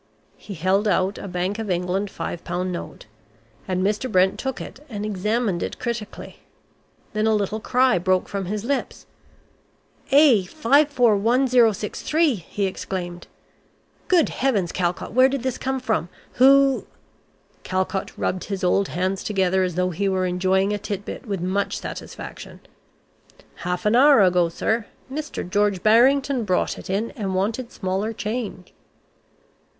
He held out a Bank of England £5 note, and Mr. Brent took it and examined it critically. Then a little cry broke from his lips. "A. 541063!" he exclaimed. "Good Heavens, Calcott, where did this come from? Who ?" Calcott rubbed his old hands together as though he were enjoying a tit bit with much satisfaction. "Half an hour ago, sir, Mr. George Barrington brought it in, and wanted smaller change."